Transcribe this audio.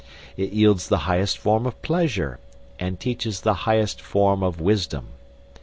It yields the highest form of pleasure, and teaches the highest form of wisdom.